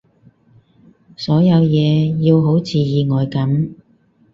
所有嘢要好似意外噉